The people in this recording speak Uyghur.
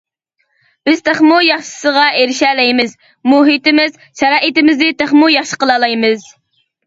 بىز تېخىمۇ ياخشىسىغا ئېرىشەلەيمىز، مۇھىتىمىز، شارائىتىمىزنى تېخىمۇ ياخشى قىلالايمىز.